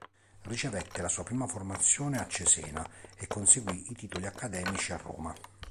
Ricevette la sua prima formazione a Cesena e conseguì i titoli accademici a Roma.